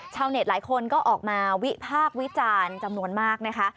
ชาวเน็ตหลายคนก็ออกมาวิพากษ์วิจารณ์จำนวนมากนะคะ